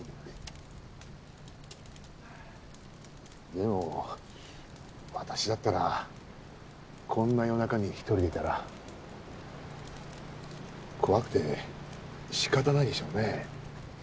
でも私だったらこんな夜中に一人でいたら怖くて仕方ないでしょうね。